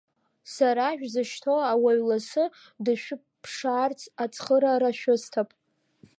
Сара шәзышьҭо ауаҩ лассы дышәыԥшаарц ацхыраара шәысҭап.